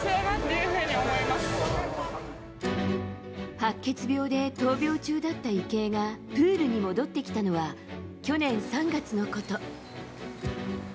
白血病で闘病中だった池江がプールに戻ってきたのは去年３月のこと。